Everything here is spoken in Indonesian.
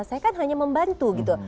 saya kan hanya membantu gitu